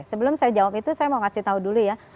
sebelum saya jawab itu saya mau kasih tahu dulu ya